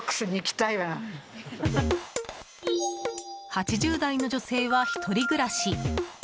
８０代の女性は１人暮らし。